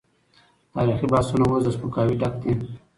تاريخي بحثونه اوس له سپکاوي ډک دي.